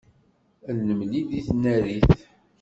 Ad nemlil deg tnarit.